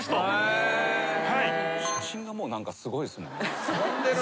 写真がもう何かすごいですもんね。